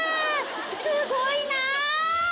すごいな。